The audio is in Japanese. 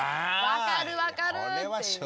分かる分かるっていう。